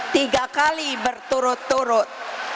tiga kali berturut turut